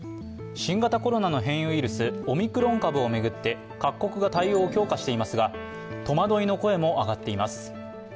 新型コロナの変異ウイルス、オミクロン株を巡って各国が対応を強化していますが、戸惑いの声も上がっています。